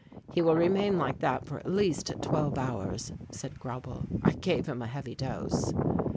"He will remain like that for at least twelve hours," said Grauble. "I gave him a heavy dose."